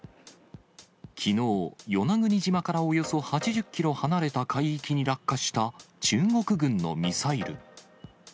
きのう、与那国島からおよそ８０キロ離れた海域に落下した中国軍のミサイル。